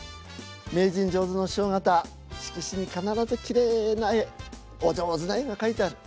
名人上手のお師匠方色紙に必ずきれいな絵お上手な絵が描いてある。